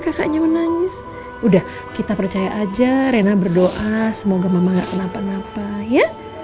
kakaknya menangis udah kita percaya aja rena berdoa semoga mamang enggak kenapa kenapa ya